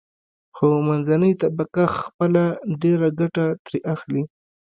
خو منځنۍ طبقه خپله ډېره ګټه ترې اخلي.